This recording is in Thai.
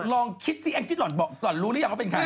ลองคิดสิแองจี้หล่อนหล่อนรู้หรือยังว่าเป็นใคร